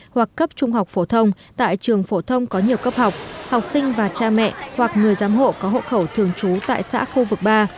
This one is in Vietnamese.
hoặc cấp trung học phổ thông tại trường phổ thông có nhiều cấp học học sinh và cha mẹ hoặc người giám hộ có hộ khẩu thường trú tại xã khu vực ba